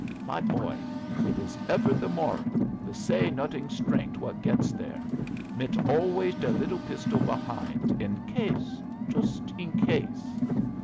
My boy, it is ever the moral, the say noding strength what gets there mit always the liddle pistol behind, in case joost in case.